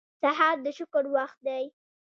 سهار د شکر وخت دی.